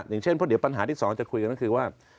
อย่างเช่นเพราะเดี๋ยวปัญหาที่สองจะคุยกันก็คือว่า